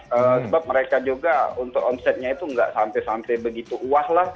sebab mereka juga untuk omsetnya itu nggak sampai sampai begitu uah lah